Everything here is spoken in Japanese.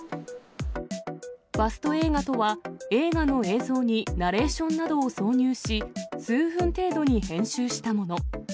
ファスト映画とは、映画の映像にナレーションなどを挿入し、数分程度に編集したもの。